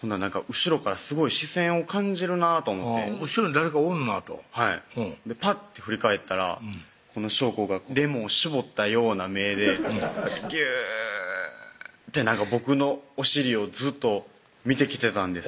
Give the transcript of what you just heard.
後ろからすごい視線を感じるなと思って後ろに誰かおんなとはいぱって振り返ったら祥子がレモン搾ったような目でギューッて僕のお尻をずっと見てきてたんです